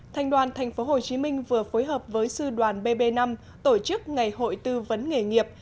thành đoàn tp hcm vừa phối hợp với sư đoàn bb năm tổ chức ngày hội tư vấn nghề nghiệp